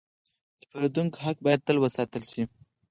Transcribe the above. د پیرودونکو حق باید تل وساتل شي.